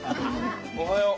おはよう。